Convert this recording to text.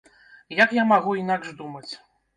Як я магу інакш думаць?